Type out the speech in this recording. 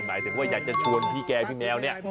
หมายถึงว่าอยากจะชวนพี่แกพี่แมวเนี่ย